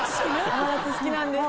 甘夏好きなんです。